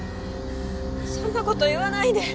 そんなこと言わないで！